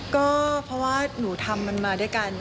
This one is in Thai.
ก็เพราะว่าหนูทำมันมาด้วยกัน